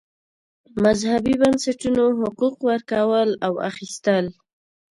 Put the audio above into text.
مذهبي بنسټونو حقوق ورکول او اخیستل.